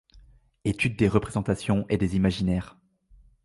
Études des représentations et des imaginaires.